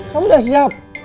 kamu udah siap